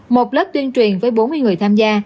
một lớp tuyên truyền với bốn mươi người tham gia